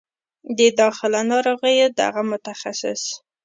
د داخله ناروغیو دغه متخصص